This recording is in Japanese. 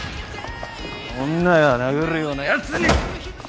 女を殴るようなやつに！